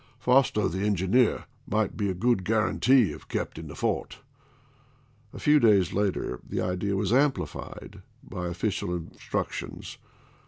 Foster, the engineer, might be a good guarantee if kept in the fort." A few days later the idea was amplified by official instructions.